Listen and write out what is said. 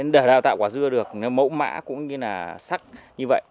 để đào tạo quả dưa được mẫu mã cũng như là sắc như vậy